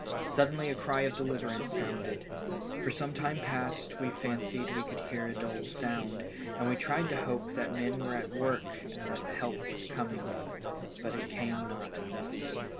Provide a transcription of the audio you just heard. Suddenly a cry of deliverance sounded. For. some time past we had fancied we could hear a dull sound, and we tried to hope that men were at work and that help was coming ; but it came not thus.